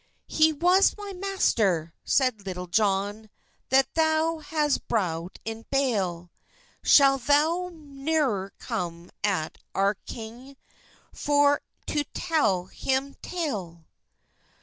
"He was my maister," said Litulle Johne, "That thou hase browzt in bale; Shalle thou neuer cum at our kynge For to telle hym tale."